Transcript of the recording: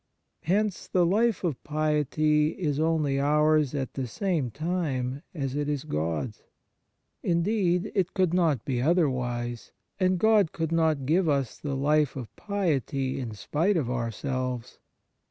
Hence the life of piety is only ours at the same time as it is God's. Indeed, it could not be otherwise, and God could not give us the life of piety in spite of ourselves.